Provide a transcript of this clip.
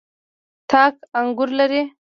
تاک انګور لري.